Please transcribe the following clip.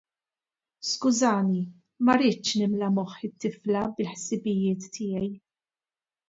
Skużani, ma ridtx nimla moħħ it-tifla bil-ħsibijiet tiegħi.